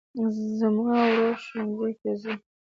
زما ورور ښوونځي ته ځي